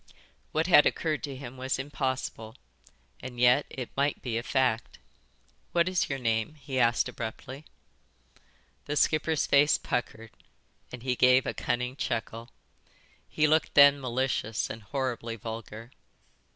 What had occurred to him was impossible, and yet it might be a fact. "What is your name?" he asked abruptly. The skipper's face puckered and he gave a cunning chuckle. He looked then malicious and horribly vulgar.